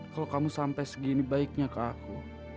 kalau kamu sampai segini baiknya ke aku